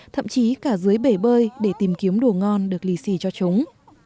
thậm chí cả dưới bể bơi để tìm kiếm đồ ngon được lì xì cho chúng